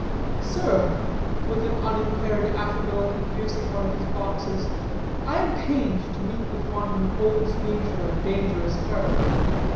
"Sir," with unimpaired affability, producing one of his boxes, "I am pained to meet with one who holds nature a dangerous character.